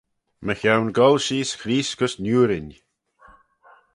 Mychione goll-sheese Chreest gys Niurin.